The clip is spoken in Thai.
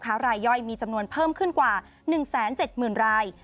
ค้ารายย่อยมีจำนวนเพิ่มขึ้นกว่าหนึ่งแสนเจ็ดหมื่นราย